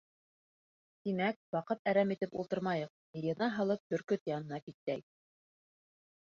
— Тимәк, ваҡыт әрәм итеп ултырмайыҡ, йыйына һалып, бөркөт янына китәйек!